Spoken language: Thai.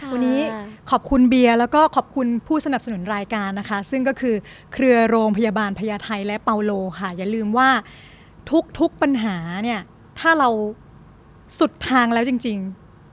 วันนี้ขอบคุณเบียร์แล้วก็ขอบคุณผู้สนับสนุนรายการนะคะซึ่งก็คือเครือโรงพยาบาลพญาไทยและเปาโลค่ะอย่าลืมว่าทุกปัญหาเนี่ยถ้าเราสุดทางแล้วจริง